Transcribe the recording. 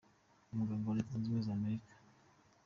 Umuganga wa Leta muri Leta zunze ubumwe za Amerika Dr.